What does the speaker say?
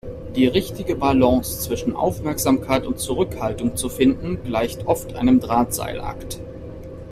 Die richtige Balance zwischen Aufmerksamkeit und Zurückhaltung zu finden, gleicht oft einem Drahtseilakt.